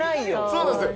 そうなんですよ。